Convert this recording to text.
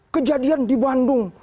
kejadian di bandung